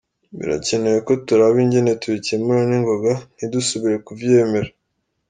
"Birakenewe ko turaba ingene tubikemura ningoga, ntidusubire kuvyemera.